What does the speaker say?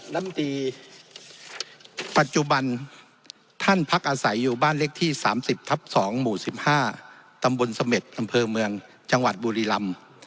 ลำตีปัจจุบันท่านพักอาศัยอยู่บ้านเล็กที่๓๐ทับ๒หมู่๑๕ตำบลเสม็ดอำเภอเมืองจังหวัดบุรีลำ